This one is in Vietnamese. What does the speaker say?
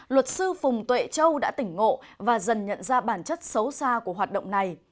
luật sư phùng tuệ châu đã tỉnh ngộ và dần nhận ra bản chất xấu xa của hoạt động này